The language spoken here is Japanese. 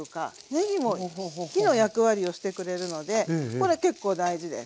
ねぎも火の役割をしてくれるのでこれ結構大事です。